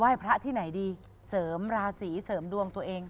พระที่ไหนดีเสริมราศีเสริมดวงตัวเอง